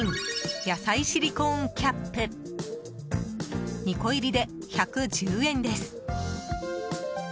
野菜シリコーンキャップ２個入りで１１０円です。